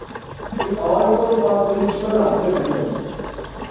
It's also for spiritual upliftment.